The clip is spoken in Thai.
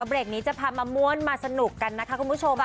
เบรกนี้จะพามาม่วนมาสนุกกันนะคะคุณผู้ชม